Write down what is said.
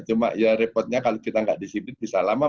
cuma ya repotnya kalau kita gak disipin bisa lama